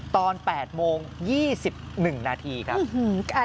ตอน๘โมง๒๑นาทีครับ